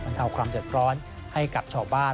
เทาความเดือดร้อนให้กับชาวบ้าน